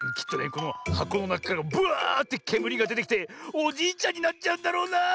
このはこのなかからぶわってけむりがでてきておじいちゃんになっちゃうんだろうなあ。